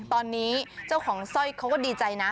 ตอนนี้เจ้าของสร้อยเขาก็ดีใจนะ